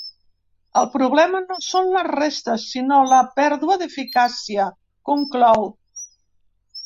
El problema no són les restes, sinó la pèrdua d’eficàcia, conclou.